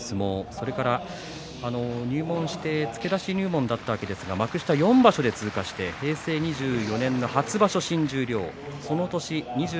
それからは入門して付け出し入門だったわけですが幕下を４場所で通過して平成２４年の初場所で新十両。